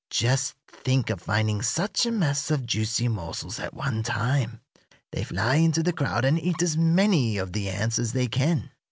Just think of finding such a mass of juicy morsels at one time. They fly into the crowd and eat as many of the ants as they can.